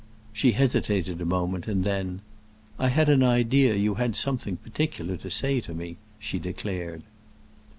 She hesitated a moment, and then, "I had an idea you had something particular to say to me," she declared.